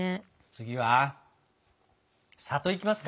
次は「里」いきますか？